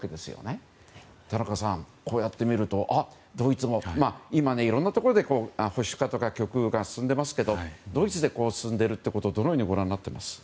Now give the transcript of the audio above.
田中さん、こうやって見るとドイツも今、いろんなところで保守化とか極右が進んでいますけどドイツで進んでいることをどのようにご覧になっていますか？